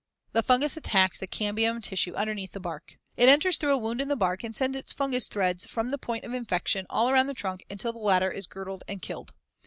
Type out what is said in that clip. The fungus attacks the cambium tissue underneath the bark. It enters through a wound in the bark and sends its fungous threads from the point of infection all around the trunk until the latter is girdled and killed.